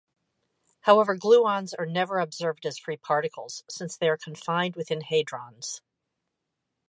However, gluons are never observed as free particles, since they are confined within hadrons.